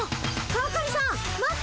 川上さん待って。